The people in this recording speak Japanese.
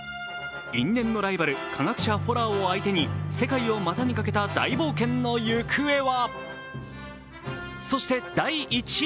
因縁のライバル、科学者フォラーを相手に世界を股にかけた大冒険の行方は？